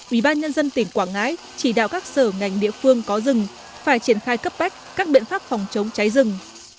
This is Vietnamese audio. ủy ban nhân dân tỉnh quảng ngãi chỉ đạo các sở ngành địa phương có rừng phải triển khai cấp bách các biện pháp phòng chống cháy rừng